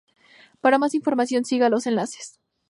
Para más información siga los enlaces.